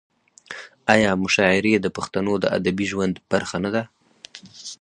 آیا مشاعرې د پښتنو د ادبي ژوند برخه نه ده؟